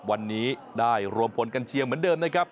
วันนี้ได้รวมพลกันเชียร์เหมือนเดิมนะครับ